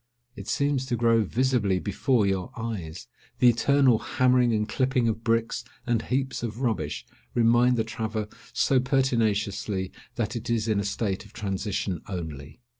It seems to grow visibly before your eyes; the eternal hammering and clipping of bricks, and heaps of rubbish, remind the traveller so pertinaciously that it is in a state of transition only.